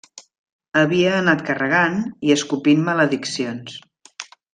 Havia anat carregant i, escopint malediccions.